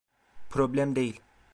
Problem değil.